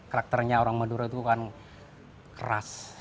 karakternya orang madura itu kan keras